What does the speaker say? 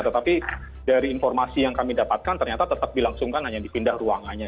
tetapi dari informasi yang kami dapatkan ternyata tetap dilangsungkan hanya dipindah ruangannya